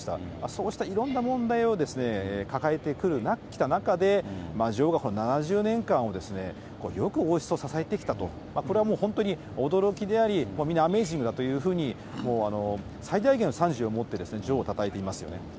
そうしたいろんな問題を抱えてきた中で、女王が７０年間をよく王室を支えてきたと、これはもう本当に驚きであり、皆アメージングだというふうに、最大限の賛辞を持って女王をたたえていますよね。